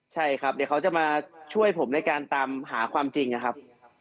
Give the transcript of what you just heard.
ใช่ครับเดี๋ยวเขาจะมาช่วยผมในการตามหาความจริงนะครับ